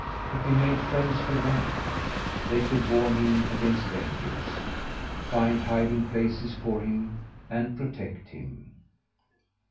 If he made friends with them, they could warn him against dangers, find hiding places for him, and protect him.